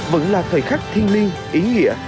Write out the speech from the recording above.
vẫn là thời khắc thiên niên ý nghĩa